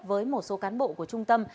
với một số cán bộ của trung tâm